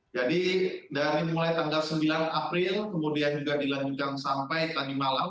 jadi dari mulai tanggal sembilan april kemudian juga dilanjutkan sampai tanggal lima